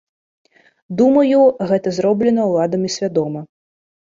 Думаю, гэта зроблена ўладамі свядома.